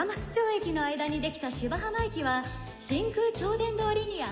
駅の間に出来た芝浜駅は真空超電導リニア